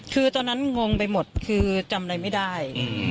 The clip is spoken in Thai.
คือตอนนั้นงงไปหมดคือจำอะไรไม่ได้